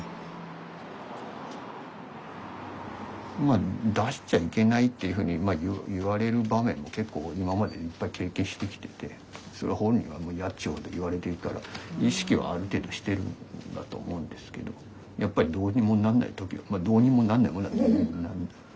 まあ出しちゃいけないっていうふうに言われる場面も結構今までいっぱい経験してきててそれ本人がもう嫌っちゅうほど言われてるから意識はある程度してるんだと思うんですけどやっぱりどうにもなんない時まあどうにもなんないもんだと。